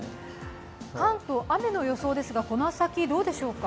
関東、雨の予想ですが、この先どうでしょうか？